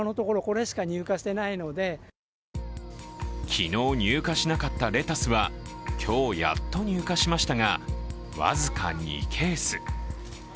昨日入荷しなかったレタスは今日やっと入荷しましたが、僅か２ケース。